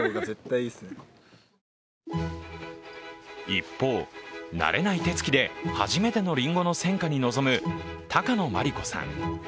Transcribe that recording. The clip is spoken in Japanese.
一方、慣れない手つきで初めてのりんごの選果に臨む高野真理子さん。